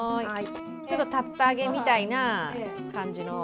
ちょっと竜田揚げみたいな感じの。